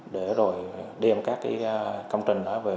để rồi đem các công trình đó về